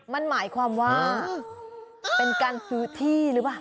มันหมายความว่าเป็นการซื้อที่หรือเปล่า